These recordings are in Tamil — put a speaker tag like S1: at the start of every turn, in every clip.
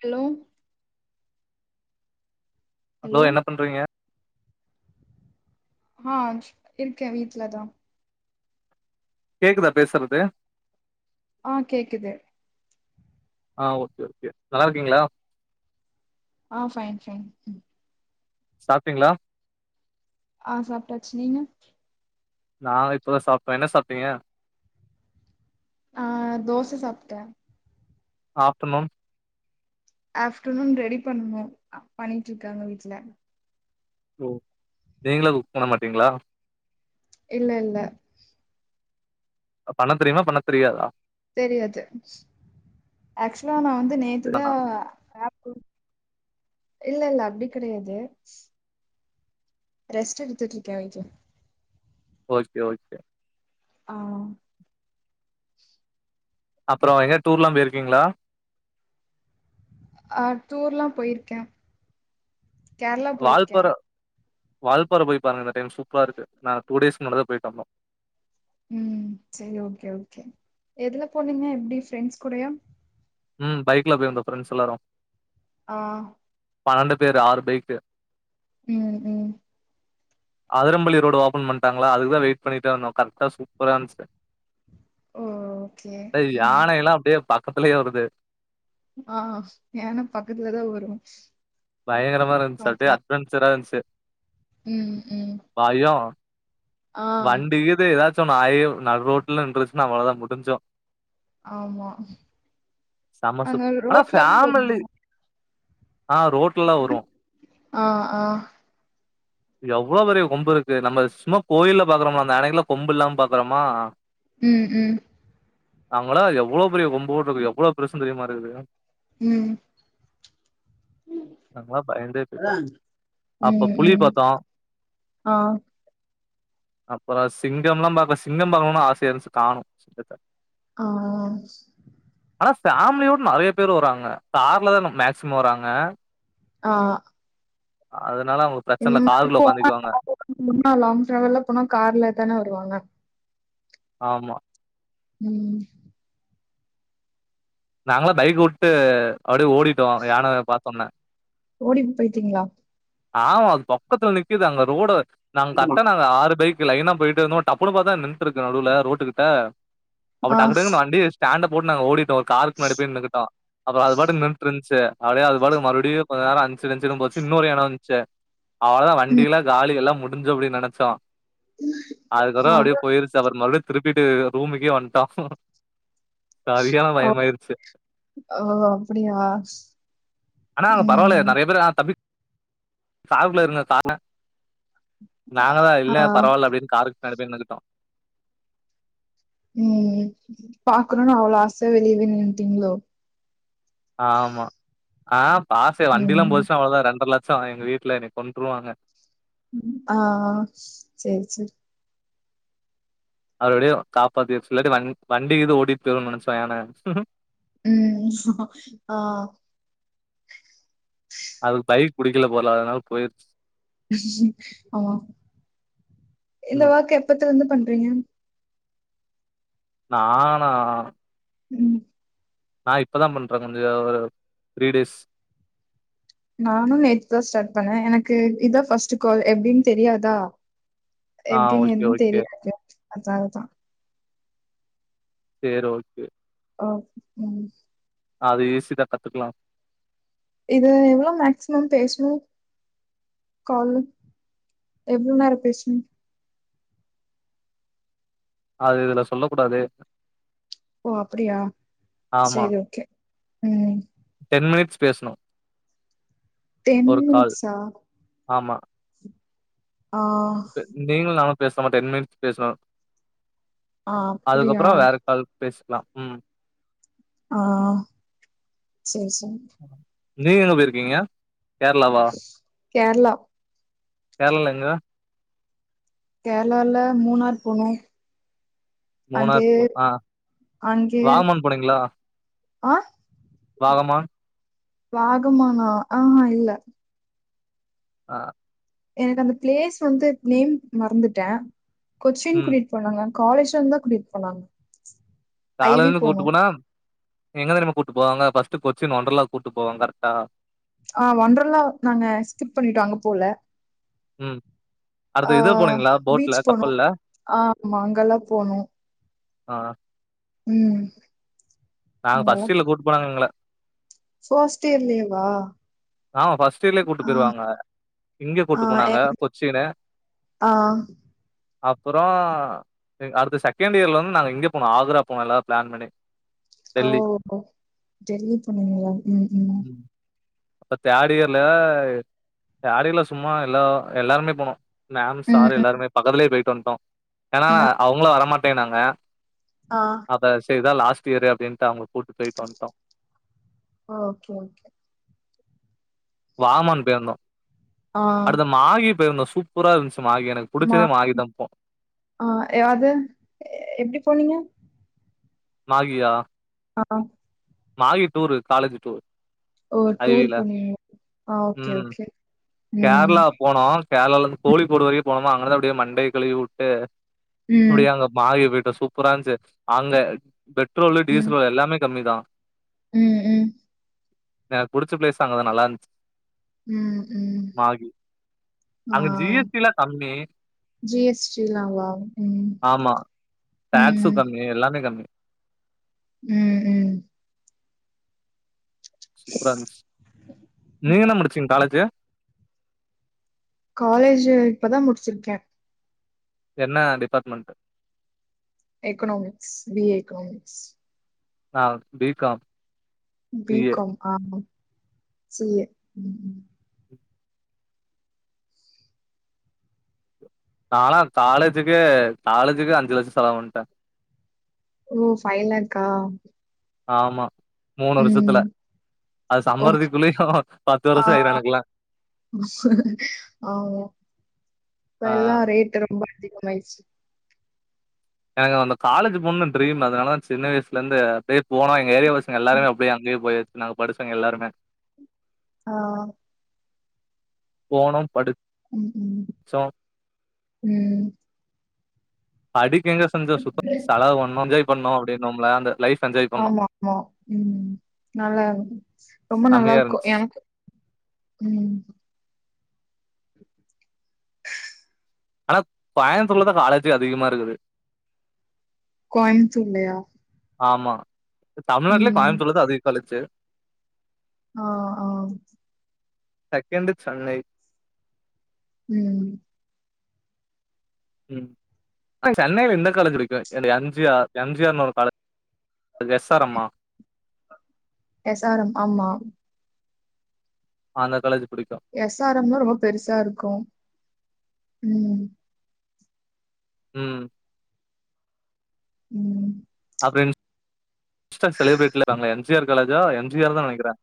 S1: ஹலோ
S2: ஹலோ என்ன பண்றீங்க
S1: ஹான்ச் இருக்கே வீட்லதா
S2: கேக்குதா பேசறது
S1: ஆ கேக்குது
S2: ஆ ஒகே ஓகே நல்லாருக்கீங்களா
S1: ஆ ஃபைன் ஃபைன்
S2: சாப்ட்டீங்ளா
S1: ஆ சாப்ட்டாச்சு நீங்க
S2: நா இப்பதா சாப்ட்டே என்ன சாப்ட்டீங்க
S1: ஆ தோச சாப்ட்டே
S2: ஆஃப்டர் நூன்
S1: ஆஃப்டர்நூன் ரெடி பண்ணணு பண்ணிட்டுருக்காங்க வீட்ல
S2: ஓ நீங்களா குக் பண்ண மாட்டீங்களா
S1: இல்ல இல்ல
S2: அ பண்ண தெரியுமா பண்ண தெரியாதா
S1: தெரியாது ஆக்சுவ்லா நா வந் து நேத்துதா
S2: தானா
S1: ஆப்பு இல்ல இல்ல அப்டி கெடையாது ரெஸ்ட் எடுத்துட்ருக்கே வீட்ல
S2: ஓகே ஓகே
S1: ஆ
S2: அப்பறோ எங்கயா டூர்லா போயிருக்கீங்ளா
S1: ஆ டூர்ல்லா போயிருக்கே கேர்ளா போயிருக்கே
S2: வால்பாற வால்பாற போய் பாருங்க இந்த டைம் சூப்பரா இருக்கு நா டூ டேஸ் முன்னதா போயிட்டு வந்தோ
S1: ம் செரி ஓகே ஓகே எதுல போனீங்க எப்டி ஃப்ரெண்ட்ஸ் கூடையா
S2: ம் பைக்ல போய் வந்தோ ஃப்ரெண்ட்ஸ் எல்லாரு
S1: ஆ
S2: பன்னண்டு பேரு ஆறு பைக்கு
S1: ம் ம்
S2: அதரம்பள்ளி ரோடு ஓப்பன் பண்ட்டாங்ளா அதுக்குதா வெயிட் பண்ணிட்டே இருந்தோ கரெக்டா சூப்பரா இருந்ச்சு
S1: ஓ ஓகே
S2: தே
S1: ம்
S2: யானையெல்லா அப்டியே பக்கத்துலயே வருது
S1: ஆ யான பக்கத்துலதா வரு
S2: பயங்கரமா இருந்ச்சு அப்டியே
S1: பாத்தா
S2: அட்வென்ச்சரா இருந்ச்சு
S1: ம் ம் ஆ
S2: வண்டிகிது எதாச்சு ஒன்னு ஆயி நடுரோட்ல நின்றுச்சுனா அவ்வளதா முடிஞ்சோ
S1: ஆமா
S2: செம
S1: அங்க
S2: சூப் ஆனா
S1: ரோட்லல்லா
S2: ஃபேமிலி
S1: வருமா
S2: ஆ ரோட்லலா வரு
S1: ஆ ஆ
S2: எவ்ளோ பெரிய கொம்புருக்கு நம்ம சும்மா கோயில்ல பாக்குறம அந்த ஆனைகள கொம்பு இல்லாம பாக்குறமா
S1: ம் ம்
S2: அவ்ங்கலா எவ்வளோ பெரிய கொம்போட்ருக்கு எவ்ளோ பெருசுன் தெரிய மாட்டுகிது
S1: ம்
S2: நாங்களா பயந்தே போயிட்டோ
S1: ம்
S2: அப்ப புலி
S1: ம் ஆ
S2: அப்பற சிங்கம்லா பாக்கல சிங்கம் பாக்கணுனு ஆசையா இருந்ச்சு காணோ சிங்கத்த
S1: ஆ
S2: ஆனா ஃபேம்லியோட நெறைய பேரு வராங்க கார்லதான மேக்சிம வராங்க
S1: ஆ
S2: அதனால அவ்ங்களுக்கு பிரச்சன இல்ல காருகுள்ள ஒக்காந்துக்குவாங்க
S1: அதுக்கு முன்ன லாங் டிரைவெல்லா போனா கார்ல தானே வருவாங்க
S2: ஆமா
S1: ம்
S2: நாங்களா பைக்கோட்டு அப்டியே ஓடிட்டோ யான பாத்தோன்ன
S1: ஓடி போயிட்டீங்களா
S2: ஆமா அது பக்கத்துல நிக்குது அங்க ரோடு நாங்க
S1: ஆமா.
S2: கர்ட்ட நாங்க ஆறு பைக் லைனா போயிட்ருந்தோ டப்புனு பாத்தா நின்றுருக்கு நடுல ரோட்டு கிட்ட அப்ப
S1: ஆ
S2: டக்கு டக்குனு வண்டிய ஸ்டாண்ட போட்டு நாங்க ஓடிட்டோ ஒரு காருக்கு பின்னாடி போய் நின்னுக்கிட்ட அப்பற அது பாட்டு நின்ட்ருந்ச்சு அப்டியே அது பாட்டுக்கு மறுபடியு கொஞ்ச நேர அஞ்சு கஞ்சுனு போச்சு இன்னொரு எட வந்ச்சு அவ்வளதா
S1: ம்
S2: வண்டியெல்லா காலி எல்லா முடிஞ்சு அப்டின் நெனச்சோ அதுக்கப்ற
S1: அவ
S2: அப்டியே போயிருச்சு அப்பற மறுபடியு திருப்பிட்டு ரூமுக்கே வந்ட்டோ சரியானா
S1: அ
S2: பயமாயிரு
S1: ஓ அப்டியா ம்
S2: சாப்ட்ல இருந்தே தானா நாங்கதா இல்ல
S1: ஆ
S2: பரவால்ல அப்டின்னு காருக்கு பின்னாடி போய் நின்னுகிட்டோ
S1: ம்ம் பாக்கணும்னு அவ்வளோ ஆசை வெளியவே நீட்டீங்களோ
S2: ஆமா ஆ பாசே வண்டில்லாம்
S1: ம்
S2: போச்சுன்னா அவ்வளவுதான் ரெண்டரா லட்ச ச்சாம் எங்க வீட்டுல என்னை கொண்டுருவாங்க
S1: ஆ சரி சரி
S2: அவரெடியும் காப்பாத்தியாச்சி இல்லாடி வண் வண்டி இது ஓடிட்டு போடும்னு நினைச்சோம்யானம்
S1: ம் சா ஆ
S2: அதுக்கு பைக் பிடிக்கல போலா அதனால போயிருச்சு
S1: ஆமா இந்த
S2: ம்
S1: வொக்கு எப்பத்துல இருந்து பண்றீங்க
S2: நானா
S1: ம்
S2: நான் இப்பதான் பண்றேன் கொஞ்ச ஒரு த்ரீ டேஸ்
S1: நானும் நேத்துதான் ஸ்டார்ட் பண்ணேன் எனக்கு இதான் ஃபஸ்டு கால் எப்படின்னு தெரியாதா
S2: ஆ
S1: எப்படின்னு
S2: ஓகே
S1: எதும்
S2: ஓகே
S1: தெரியாது அதனாலதான்
S2: செரி ஓகே
S1: ஆ ம்
S2: அது ஈஸிதான் கத்துக்கலாம்
S1: இது எவ்வளவு மேசிமம் பேசுணும் கால்ல எவ்வளவு நேரம் பேசுணும்
S2: அது இதுல சொல்ல கூடாதே
S1: ஓ அப்படியா செரி ஓகே ம்
S2: டென் மினிட்ஸ் பேசுனும்
S1: டென்
S2: ஒரு கால்
S1: மினிட்ஸா
S2: ஆமா
S1: ஆ
S2: இப்ப நீங்களும் நானும் பேசம டென் மினிட்ஸ் பேசணும்
S1: ஆ அப்டியா
S2: அதுக்கப்புறம் வேறக்கால் பேசலாம் ம்
S1: ஆ சேரி சே
S2: நீங்க எங்க போயிருக்கீங்க கேரளாவா
S1: கேரளா
S2: கேரளால எங்க
S1: கேரளால மூணார் போனும்
S2: மூணார்
S1: அங்கே
S2: போ ஆ
S1: அங்கே
S2: வாகமான்
S1: ஆ
S2: வாகமா
S1: வாகமானா ஆ இல்ல
S2: அ
S1: எனக்கு அந்த பிளேஸ் வந்து நேம் மறந்துட்டேன் கொச்சின்
S2: ம்
S1: கூட்டிட்டு போனாங்க காலேஜ்ல இருந்தா கூட்டிட்டு போனாங்க ஐ வி
S2: காலைன்னு
S1: போனோ
S2: கூட்டு போனா எங்க தெரியுமா கூட்டு போவாங்க பஸ்ட் கொச்சின் ஒன்ரலாக்கு கூப்பிட்டு போவங்க கரெக்டா
S1: ஆ ஓண்டர்லா நாங்க ஸ்கிப் பண்ணிடோம் அங்க போல
S2: ம்
S1: ஆ
S2: அடுத்து இது போனீங்களா போட்ல
S1: பீச் போனும்
S2: கப்பல்ல
S1: ஆமா அங்கெல்லாம் போனும்
S2: ஆ
S1: ம்
S2: நாங்க பஸ்டில்ல கூட்டுப் போனாங்க எங்கள
S1: சோஸ்ட் இர்லேவா
S2: ஆமா பஃஸ்ட் இயர்லயே கூப்பிட்டு போயிடுவாங்க இங்க
S1: ஆ
S2: கூட்டு போனாங்க
S1: எங்
S2: கொச்சினு
S1: ஆ
S2: அப்புறம் அடுத்த செகண்ட் இயர்ல வந்து நாங்கள் இங்கே போனோம் ஆக்ரா போனோம் எல்லாரும் பிளான் பண்ணி
S1: ஓ
S2: டெல்லி
S1: டெலிவர் பண்ணீங்களா ம் ம்
S2: அப்ப தேடிர்ல்ல தேடியல்ல சும்மா எல்ல எல்லாருமே போனோம் மேம்
S1: ம்
S2: சார்
S1: ம்
S2: எல்லாருமே பக்கத்துலயே போயிட்டு வந்துட்டோம் ஏன்னா
S1: ஆ
S2: அவங்கள வரமாட்டே நாங்க
S1: ஆ
S2: அப்ப செய்இதா லாஸ்ட் இயரு அப்படின்ட்டு அவங்க கூப்பிட்டு போயிட்டு வந்துட்டோம்
S1: ஓகே ஓகே
S2: வாமன் போயிர்ந்தோ
S1: ஆ
S2: அடுத்த மாகி போயிருந்தோ சூப்பர இருந்துச்சு மாகி எனக்கு
S1: மா
S2: பிடிச்சதே மாகி தா போ
S1: ஆ எ- அது எப்டி போனீங்க
S2: மாகியா
S1: ஆ
S2: மாஹி டூரு காலேஜு டூரு
S1: ஓ டூரு போண்ணி ஆ ஓகே ஓகே ம்
S2: கேர்ளா போனோ கேர்ளால இந்த் கோழிகோடு வரயோ போனோமா அங்கதா அப்டியே மண்டம கழுவி வுட்டு
S1: ம்
S2: அப்டியாங்க மாகிவிட்டு சூப்பரான்ச்சு அங்க பெட்ரோலு டீசலோ எல்லாமே கம்மிதா
S1: உம் உம்
S2: எனக்கு புடிச்ச ப்ளேஸு அங்கதா நல்லா இந்துச்சு
S1: உம்
S2: மாகி அங்க ஜிஎஸ்டிலா கம்மி
S1: ஜி எஸ் டி லாவா ம்
S2: ஆமா டேக்ஸும் கம்மி எல்லாமே கம்மி
S1: உம் உம்
S2: சுப்ரா இருந்துச்சி நீங்க என்ன முடிச்சீங்க காலேஜு
S1: காலேஜு இப்பதா முடிச்சிருக்க
S2: என்னா department
S1: economics B A economics
S2: நா B com
S1: B
S2: C A
S1: com ஆமா சி ஏ ம் ம்
S2: நாளா காலேஜுக்கே காலேஜுக்கே அஞ்சு லட்சோ செலவு பண்ட்டே
S1: ஓ ஃபை லாக்கா
S2: ஆமா மூணு வர்ஷத்துல அது
S1: ஓ
S2: சம்பாருதிக்குள்ளேயு பத்து
S1: ஆ
S2: வர்ஷோ ஆயிரோ எனக்குலா
S1: ஆமா
S2: ஆ
S1: இப்பெல்லா ரேட்டு ரொம்ப [unintelligible]
S2: எனக்கு அந்த காலேஜு போணோன்ட்டு ட்ரீம் அதனாலதா சின்ன வயசுல இந்து அப்டியே போனோ எங்க ஏரியா பசங்க எல்லாருமே அப்டியே அங்கேயே போயாச்சு நாங்க படிச்சவுங்க எல்லாருமே
S1: ஆ
S2: போனோ படு
S1: உம் உம் உம்
S2: அடிக்க எங்க செஞ்சோ சுத்தோ செலவு பண்ணோ என்ஜாய் பண்ணோ அப்டீனும்ல அந்த லைஃப் என்ஜாய் பண்ணோ
S1: ஆமா ஆமா உம் நல்லா ரொம்ப நல்லா
S2: செம்மையா
S1: இருக்கோ
S2: இருந்துச்சு
S1: எனக்கு உம்
S2: ஆனா கோயம்புத்தூர்ல தா காலேஜே அதிகமா இருக்குது
S1: கோயம்த்தூர்லயா
S2: ஆமா தமிழ்நாட்டுலயே கோயம்பத்தூர்லதா அதிகோ காலேஜ்ஜு
S1: ஆ ஆ
S2: செகண்டு சென்னை
S1: உம்
S2: ம் சென்னையில எந்த காலேஜ் இருக்கு இந்த எம் ஜிஆர் எம் ஜி ஆர்னு ஒரு காலேஜ் அது எஸ் ஆர் எம் ஆ
S1: எஸ் ஆர் ம் ஆமா
S2: ஆந்த காலேஜு
S1: எஸ் ஆர் எம்ல ரொம்ப பெருசா இருக்கோ உம்
S2: உம்
S1: உம்
S2: ஃப்ரெண்ட்ஸ் எக்ஸ்ட்ரா செலப்ரேட்லா தராங்களே எம் ஜி ஆர் காலேஜா எம் ஜி ஆர் தா நெனைக்கிறே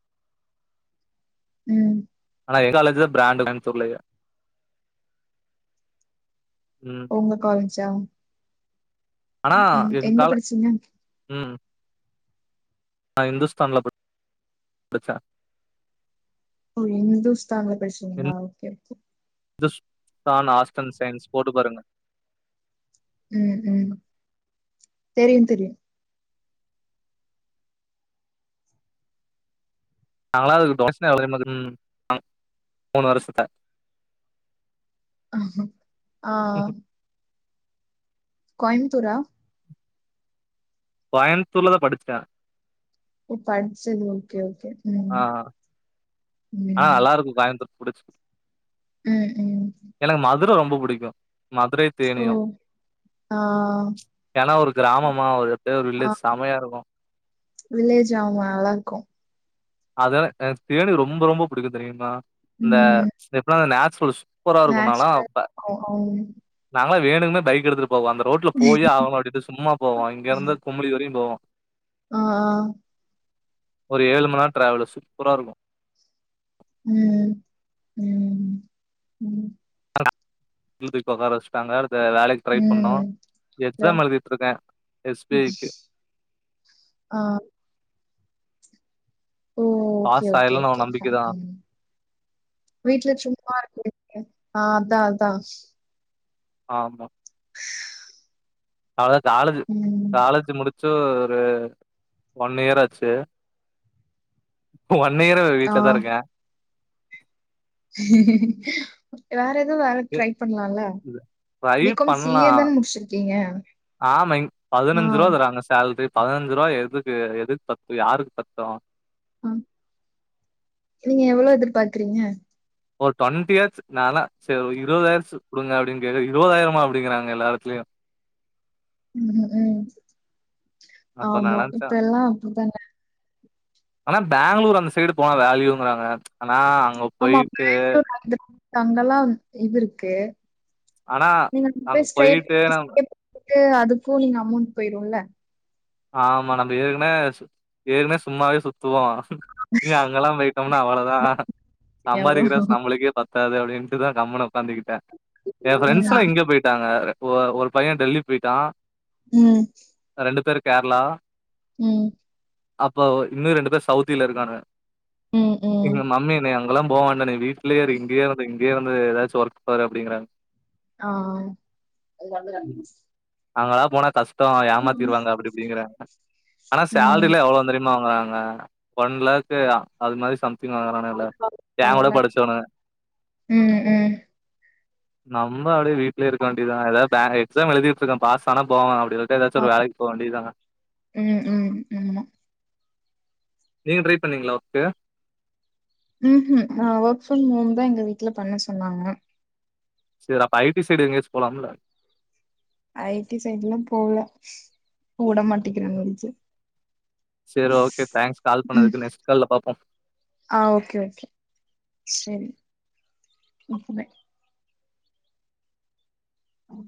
S1: ம்
S2: ஆனா எங்க காலேஜிதா பிராண்ட் கோயம்பத்தூர்லயே
S1: உங்க காலேஜா
S2: ஆனா
S1: ம்
S2: எங்க கால
S1: படிச்சீங்க
S2: ம் நான் இந்துஸ்தான்ல படிச்சேன்
S1: ஓ இந்துஸ்தான்ல படிச்சீங்களா okay okay
S2: Hindusthan arts and science போட்டு பாருங்க ம்
S1: தெரியும் தெரியும்
S2: நாங்கள்ல அதுக் டொனேஷனே எவ்ளோ தெரியுமா ம் அ முணு வருஷத்த
S1: ஆ ம் கோயம்புத்தூரா
S2: கோயம்பத்தூர்லதா படிச்சிட்டே
S1: ஓ படிச்சது ஓகே ஓகே ம்
S2: ஆ ஆ ஆ
S1: ம்
S2: நல்லா இருக்கும் கோயம்பத்தூர் புடிச்சு
S1: ம் ம்
S2: எனக்கு மதுர ரொம்ப புடிக்கும் மதுரை
S1: ஓ!
S2: தேனியும்
S1: ஆ
S2: ஏன்னா ஒரு கிராமமா ஒரு அப்டியே ஒரு
S1: ஆ
S2: வில்லேஜ் செமையா இருக்கும்
S1: வில்லேஜ் ஆமா நல்லா இருக்கு.
S2: அதானே ஏஸ் பி ஐ னா எனக்கு ரொம்ப ரொம்ப புடிக்கும் தெரியுமா இந்த
S1: ம்.
S2: எப்னா நேச்சுரல்ஸ் சூப்பரா இருக்கும் நாலா
S1: நேச்சுரல்
S2: அப்ப
S1: அ அம்
S2: நா நாலாம் வேணும்னே பைக் எடுத்துட்டு போவோ அந்த ரோட்ல போயே ஆவணும் அப்டின்ட்டு சும்மா போவோ இங்கேருந்து குமிலி வரையும் போவோம்
S1: ஆ ஆ
S2: ஒரு ஏலு மண்நேரோ ட்ராவலு சூப்பரா இருக்கு
S1: ம் ம் ம் ம்
S2: டியூட்டிக் போ ஒக்காற வெச்சிட்டாங்கர் இந்த வேலைக்கு ட்ரை பண்ணோ
S1: ம். யா.
S2: எக்ஸாம் எழுதிட்டிருக்கே எஸ் பி ஐ க்கு
S1: ஆ ஓ ஓகே
S2: பாஸ்
S1: ஓகே
S2: ஆயிடலாம்னு
S1: ஓகே
S2: ஒரு
S1: [inaudible]
S2: நம்பிக்கை தான்.
S1: வீட்ல சும்மா இருக்குது ஆ அத்தா அத்தா
S2: ஆமா அவ்ளதா காலேஜ்
S1: ம்.
S2: காலேஜ் முடிச்சி து ஒரு ஒன் இயர் ஆச்சி ஒன் இயரு
S1: ஆ.
S2: வீட்லதா இருக்கே
S1: வேற எதுவு வேல ட்ரை பண்லாம்ல
S2: ட்ரை பண்லா ஆமா இங்
S1: ஆ,
S2: பதினஞ்சிரூவா தராங்க சேல்ரி பதினஞ்சிரூவா எதுக்கு எதுக்கு பத்தும் யாருக்கு பத்தும்
S1: ஆ நீங்க எவ்ளோ எதிற்பாக்குறிங்க
S2: ஒரு ட்வெண்ட்டியாச்சி நாலா சேரி ஒரு இருவதாயிர்சி குடுங்க அப்டின்னு கேக்க இருவதாயிரமா அப்டிங்கிறாங்க எல்லா எடத்துலயு
S1: ம் ம்
S2: அப்ப
S1: ஆமா
S2: நான்
S1: இப்ப
S2: நெனச்சேன்
S1: எல்லா அப்டிதாங்க
S2: ஆனா பெங்களூர் அந்த சைடு போனா வேல்யூங்றாங்க நா அங்க
S1: ஆமா.
S2: போயிட்டு
S1: பேங்களூர் அங்கலாம் இது இருக்கு
S2: ஆனா
S1: நீங்க இங்கந்து
S2: அங்க
S1: ஸ்டேட்
S2: போயிட்டு
S1: விட்டு
S2: நம்
S1: ஸ்டேட் போயிட்டு அதுக்கு நீங்க அமௌண்ட் போயிடும்ல
S2: ஆமா நம்ப ஏற்கனே ஏற்கனே சும்மாவே சுத் சுத்துவோ இங்க அங்கெல்லா போயிட்டோம்னா அவ்வளோதா சம்பாதிக்கிற
S1: ஞாபகம்.
S2: காஸ் நம்மளுக்கே பத் பத்தாது அப்டின்ட்டுதா கம்முனு ஒக்காந்துகிட்டே ஏயா ஃப்ரெண்ட்ஸ்லா இங்க போயிட்டாங்க ஒ ஒரு பையே டெல்லி போயிட்டா
S1: ம்
S2: கேரளா
S1: ம்
S2: அப்ப ஒ இன்னு ரெண்டு பேர் சவுதில இருக்கானுங்க
S1: ம். ம். ம்.
S2: எங்க மம்மி என்னைய அங் அங்கலாம் போ வேண்டா நீ வீட்லயே இரு இங்கயே இருந்து இங்கயே இருந்து எதாச்சு ஒர்க் பாரு அப்டிங்கிறாங்க
S1: ஆஹ்
S2: அங்கலா போனா கஷ்டோ ஏமாத்திருவாங்க அப்டி இப்டிங்குறாங்க ஆனா
S1: ம்.
S2: சேலரிலா எவ்ளோந் தெரியுமா அவுங்க வாங்க ஒன் லேக்கு அதுமாரி சம் தீங் வாங்குறானுங்கள்ல ஏன்
S1: ஒன்னு
S2: கூட
S1: இல்ல.
S2: படிச்சவனுங்க
S1: ம். ம்.
S2: நம்ப அப்டியே வீட்லே இருக்க வேண்டியதா எதா பே எக்ஸாம் எலுதிட்ருக்க பாஸ் ஆனா போவ அப்டி இல்லாட்டி எதாச்சு
S1: ஆ.
S2: ஒரு வேலக் போ வேண்டிதா
S1: ம் ம் ஆமா
S2: நீங்க ட்ரை பண்ணீங்களா ஒர்க்கு
S1: ஹும் ஹும் நா வர்க் ஃப்ரம் ஹோம்தா எங்க வீட்ல பண்ண சொன்னாங்க
S2: சரி அப்ப ஐ டி சைடு எங்கயாச்சு போலாம்ல
S1: ஐ டி சைடுலா போல உட மாட்டிக்கிறாங்க வீட்ல
S2: சரி ஓகே தேங்க்ஸ் கால்
S1: ம்.
S2: பண்ணதுக்கு நெக்ஸ்ட் கால்ல பாப்போம்
S1: ஆ ஓகே, ஓகே. சரி குட் நைட் ம்